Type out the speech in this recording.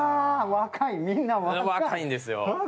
若いんですよ。